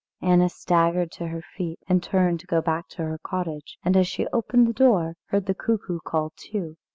Anna staggered to her feet, and turned to go back to her cottage, and as she opened the door, heard the cuckoo call two.